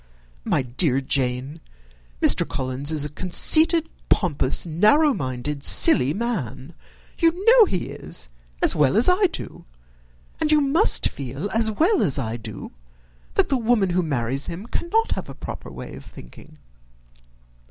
My dear Jane, Mr. Collins is a conceited, pompous, narrow minded, silly man: you know he is, as well as I do; and you must feel, as well as I do, that the woman who marries him cannot have a proper way of thinking.